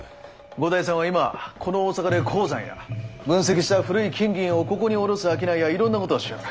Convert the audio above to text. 五代さんは今この大阪で鉱山や分析した古い金銀をここにおろす商いやいろんなことをしよる。